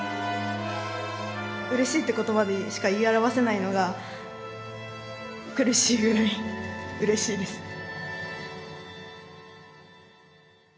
「うれしい」って言葉でしか言い表せないのが苦しいぐらいうれしいです。